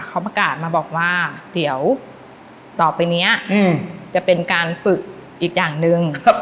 เขาประกาศมาบอกว่าเดี๋ยวต่อไปนี้จะเป็นการฝึกอีกอย่างหนึ่ง